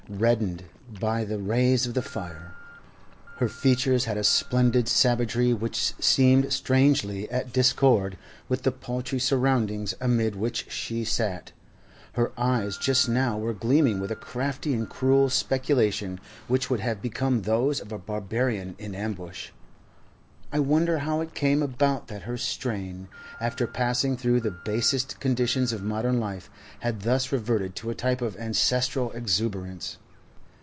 Reddened by the rays of the fire, her features had a splendid savagery which seemed strangely at discord with the paltry surroundings amid which she sat; her eyes just now were gleaming with a crafty and cruel speculation which would have become those of a barbarian in ambush. I wonder how it came about that her strain, after passing through the basest conditions of modern life, had thus reverted to a type of ancestral exuberance.